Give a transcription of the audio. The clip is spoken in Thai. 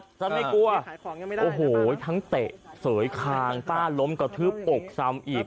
ฉันไม่กลัวโอ้โหทั้งเตะเสยคางป้าล้มกระทืบอกซ้ำอีก